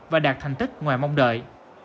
và đạt thành tích ngoài mong đợi